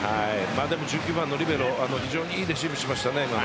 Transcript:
１９番のリベロ非常に良いレシーブしましたね。